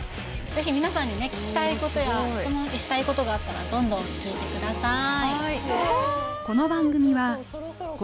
ぜひ皆さんにね聞きたいことや質問したいことがあったらどんどん聞いてください